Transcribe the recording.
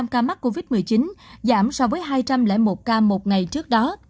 một trăm sáu mươi năm ca mắc covid một mươi chín giảm so với hai trăm linh một ca một ngày trước đó